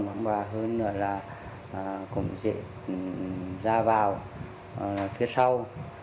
và hơn nữa là cũng dễ ra vào phía sau